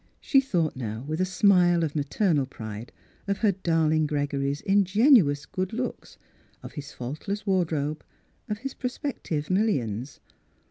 She thought now with a smile of ma ternal pride of her darling Gregory's in genuous good looks, of his faultless ward robe, of his prospective millions.